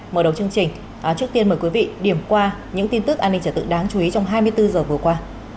mở đầu chương trình trước tiên mời quý vị điểm qua những tin tức an ninh trở tự đáng chú ý trong hai mươi bốn h vừa qua